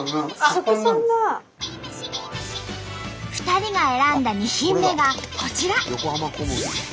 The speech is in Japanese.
２人が選んだ２品目がこちら。